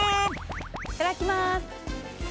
いただきまーす。